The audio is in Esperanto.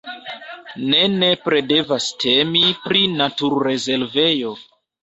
Ne nepre devas temi pri naturrezervejo.